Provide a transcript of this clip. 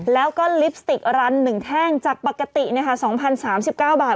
แล้วก็ลิปสติกรัน๑แท่งจากปกติ๒๐๓๙บาท